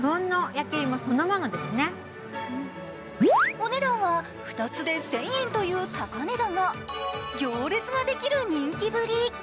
お値段は２つで１０００円という高値だが行列ができる人気ぶり。